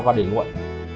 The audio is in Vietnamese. và để nguội